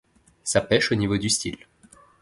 ça pèche au niveau du style.